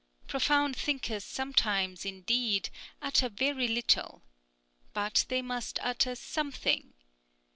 Profound thinkers sometimes, indeed, utter very little. But they must utter something.